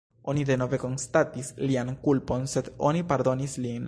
Oni denove konstatis lian kulpon, sed oni pardonis lin.